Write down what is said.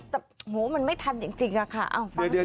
แต่โหมันไม่ทันจริงค่ะฟังเสียง